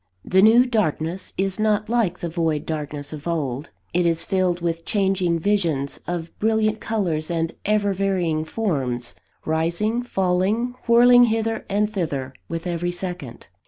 The new darkness is not like the void darkness of old; it is filled with changing visions of brilliant colours and ever varying forms, rising, falling, whirling hither and thither with every second.